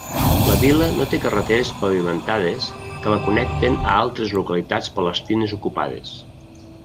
La vila no té carreteres pavimentades que la connecten a altres localitats palestines ocupades.